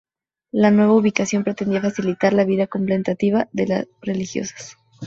La nueva ubicación pretendía facilitar la vida contemplativa de las religiosas.